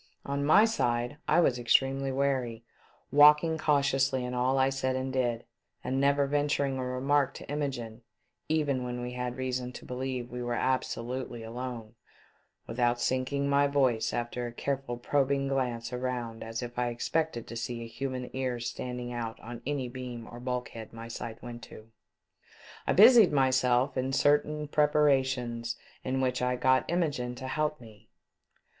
On my side, I was extremely wary, walking cautiously in all I said and did, and never venturing a remark to Imogene, even when we had reason to believe wc were absolutely alone, without sinking my voice after a care ful probing glance around as if I expected to see an human ear standing out on any beam or bulkhead my sight went to, I busied myself in certain preparations in which I got Imogene to help me.